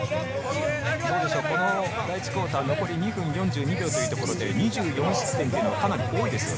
第１クオーター、残り２分４２秒というところで２４失点は多いですよね。